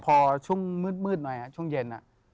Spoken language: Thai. พอช่วงมืดหน่อยช่วงเย็น